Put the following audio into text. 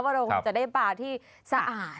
เราคงจะได้ปลาที่สะอาด